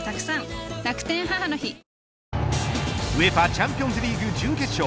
ＵＥＦＡチャンピオンズリーグ準決勝